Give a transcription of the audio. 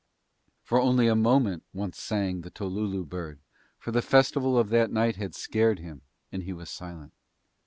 For only a moment once sang the tolulu bird, for the festival of that night had scared him and he was silent.